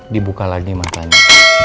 dibuka lagi matanya